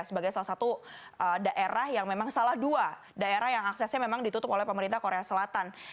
sebagai salah satu daerah yang memang salah dua daerah yang aksesnya memang ditutup oleh pemerintah korea selatan